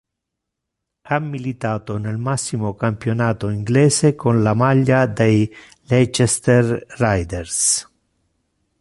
Ha militato nel massimo campionato inglese con la maglia dei Leicester Riders.